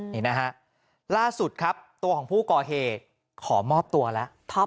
นี่นะฮะล่าสุดครับตัวของผู้ก่อเหตุขอมอบตัวแล้ว